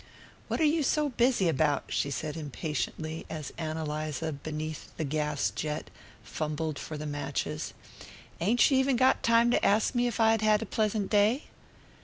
"What are you so busy about?" she said impatiently, as Ann Eliza, beneath the gas jet, fumbled for the matches. "Ain't you even got time to ask me if I'd had a pleasant day?"